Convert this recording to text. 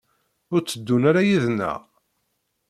Ur tteddun ara yid-neɣ?